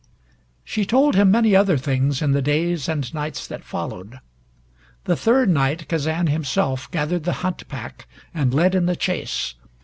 She told him many other things in the days and nights that followed. The third night Kazan himself gathered the hunt pack and led in the chase.